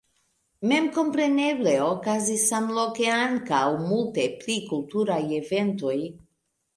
Memkompreneble okazis samloke ankaŭ multe pli kulturaj eventoj.